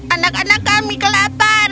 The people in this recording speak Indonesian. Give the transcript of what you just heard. anak anak kami kelaparan